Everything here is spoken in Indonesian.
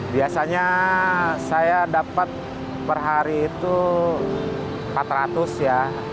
biasanya saya dapat per hari itu empat ratus ya